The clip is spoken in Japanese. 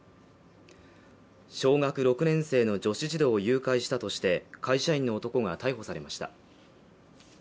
小学６年生の女子児童を誘拐したとして会社員の男が逮捕されました。